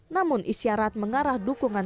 namun isyarat mengarah dukungan